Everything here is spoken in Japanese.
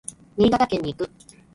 新潟県に行く。